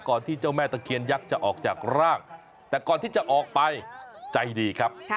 ที่เจ้าแม่ตะเคียนยักษ์จะออกจากร่างแต่ก่อนที่จะออกไปใจดีครับ